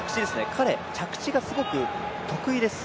彼は、着地がすごく得意です。